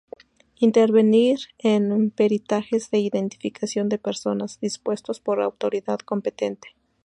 Intervenir en peritajes de identificación de personas, dispuestos por autoridad competente.